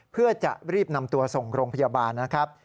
เพื่อจะรีบนำตัวส่งโรงพยาบาลนะครับ